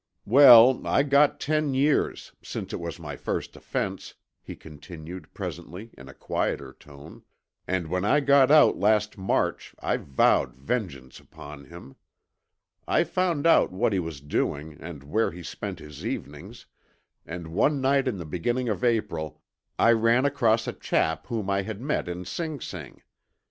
"Well, I got ten years, since it was my first offense," he continued presently in a quieter tone, "and when I got out last March I vowed vengeance upon him. I found out what he was doing and where he spent his evenings, and one night in the beginning of April I ran across a chap whom I had met in Sing Sing.